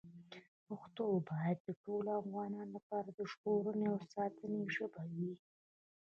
پښتو باید د ټولو افغانانو لپاره د ژغورنې او ساتنې ژبه وي.